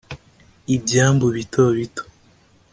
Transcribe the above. ibyambu bito bito